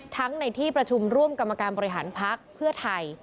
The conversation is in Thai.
ในที่ประชุมร่วมกรรมการบริหารพักเพื่อไทย